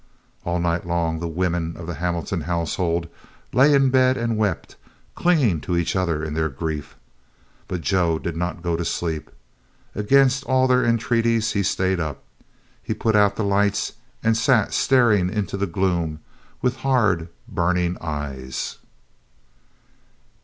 All the night long the women of the Hamilton household lay in bed and wept, clinging to each other in their grief. But Joe did not go to sleep. Against all their entreaties, he stayed up. He put out the light and sat staring into the gloom with hard, burning eyes.